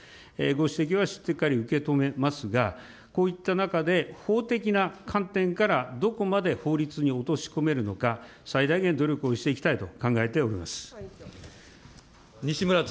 ご指摘はしっかり受け止めますが、こういった中で、法的な観点からどこまで法律に落とし込めるのか、最大限努力をしていきたいと考えております。